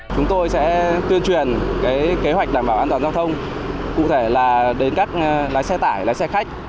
chúng tôi sẽ tuyên truyền kế hoạch đảm bảo an toàn giao thông cụ thể là đến các lái xe tải lái xe khách